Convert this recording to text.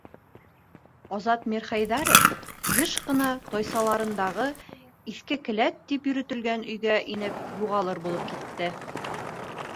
Азат Мирхәйҙәров йыш ҡына тайсаларындағы «иҫке келәт» тип йөрөтөлгән өйгә инеп юғалыр булып китте.